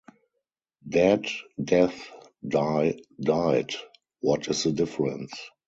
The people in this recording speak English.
Dead, death, die, died - what is the difference?